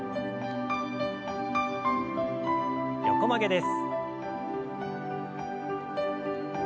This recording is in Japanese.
横曲げです。